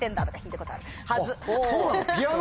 そうなの？